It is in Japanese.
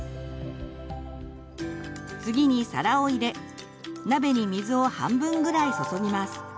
次に皿を入れ鍋に水を半分ぐらい注ぎます。